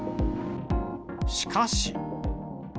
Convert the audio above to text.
しかし。